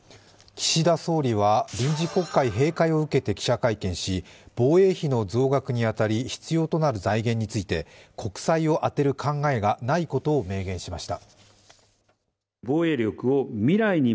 岸田総理は臨時国会閉会を受けて記者会見し、防衛費の増額に当たり必要となる財源について国債を充てる考えがないことを明言しました。